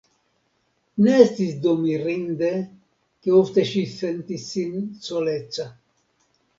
Ne estis do mirinde, ke ofte ŝi sentis sin soleca.